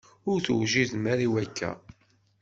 Ur tewjidem ara i wakka.